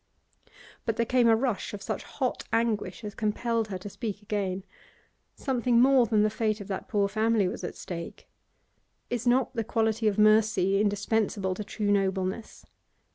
But there came a rush of such hot anguish as compelled her to speak again. Something more than the fate of that poor family was at stake. Is not the quality of mercy indispensable to true nobleness?